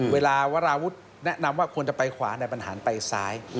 เวลาวราวุฒิแนะนำว่าควรจะไปขวานายบรรหารไปซ้าย